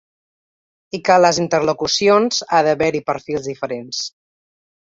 I que en les interlocucions ha d’haver-hi perfils diferents.